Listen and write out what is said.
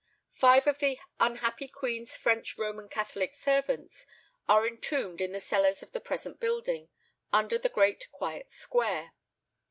Five of the unhappy queen's French Roman Catholic servants are entombed in the cellars of the present building, under the great quiet square.